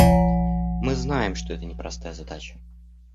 Мы знаем, что это непростая задача.